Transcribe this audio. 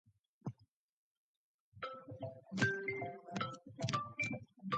Not all combatant countries are shown in the table.